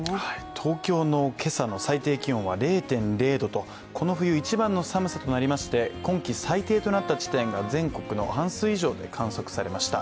東京の今朝の最低気温は０．０度とこの冬一番となりまして、今季最低となった地点が全国の半数以上で観測されました。